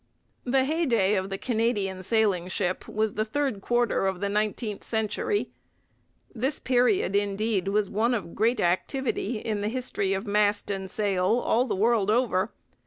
The heyday of the Canadian sailing ship was the third quarter of the nineteenth century. This period, indeed, was one of great activity in the history of mast and sail all the world over.